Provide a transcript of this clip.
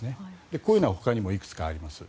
こういうのはほかにもいくつかあります。